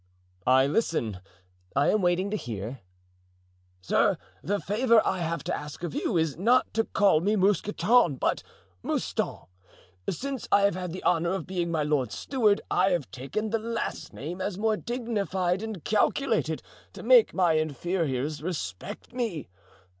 "I listen—I am waiting to hear." "Sir, the favor I have to ask of you is, not to call me 'Mousqueton' but 'Mouston.' Since I have had the honor of being my lord's steward I have taken the last name as more dignified and calculated to make my inferiors respect me.